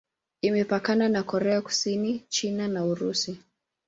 Imepakana na Korea Kusini, China na Urusi.